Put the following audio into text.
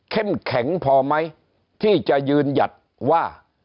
แข็งพอไหมที่จะยืนหยัดว่า